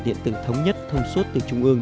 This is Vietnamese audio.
điện tử thống nhất thông suốt từ trung ương